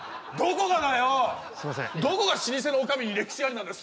すいませんどこが老舗の女将に歴史ありなんだよ